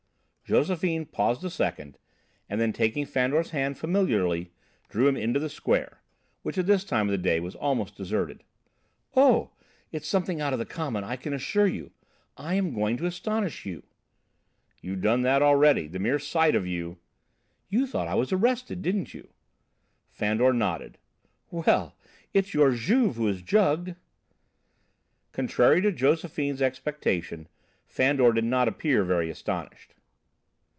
Josephine paused a second, then taking Fandor's hand familiarly drew him into the square, which at this time of day was almost deserted. "Oh, it's something out of the common, I can assure you. I am going to astonish you!" "You've done that already. The mere sight of you " "You thought I was arrested, didn't you?" Fandor nodded. "Well, it's your Juve who is jugged!" Contrary to Josephine's expectation, Fandor did not appear very astonished.